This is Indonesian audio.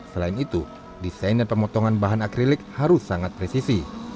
selain itu desain dan pemotongan bahan akrilik harus sangat presisi